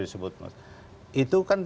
disebut itu kan